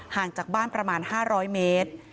ห่างจากบ้านประมาณ๕๐๐เมตร